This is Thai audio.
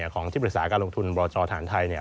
ของที่ปรึกษาการลงทุนบรชฐานไทย